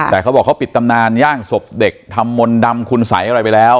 แต่เขาบอกเขาปิดตำนานย่างศพเด็กทำมนต์ดำคุณสัยอะไรไปแล้ว